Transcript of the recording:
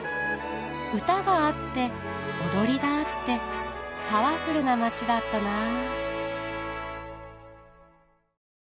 歌があって踊りがあってパワフルな街だったなあ。